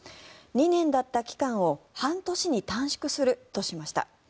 ２年だった期間を半年に短縮するとしました。